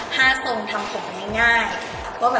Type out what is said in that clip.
ก็ต้องใช้นี้นะคะ